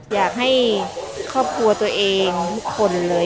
อยากให้ครอบครัวตัวเองทุกคนเลย